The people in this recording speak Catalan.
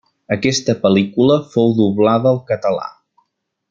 Aquesta pel·lícula fou doblada al català.